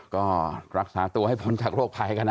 ก็รักษาตัวให้พ้นจากโรคภัยกันนะ